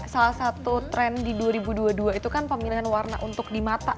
salah satu tren di dua ribu dua puluh dua itu kan pemilihan warna untuk di mata